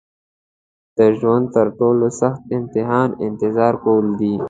د ژوند تر ټولو سخت امتحان انتظار کول دي.